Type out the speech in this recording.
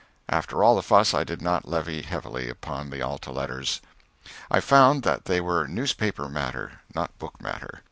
After all the fuss, I did not levy heavily upon the "Alta" letters. I found that they were newspaper matter, not book matter.